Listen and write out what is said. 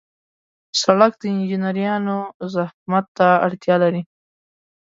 سړک د انجنیرانو زحمت ته اړتیا لري.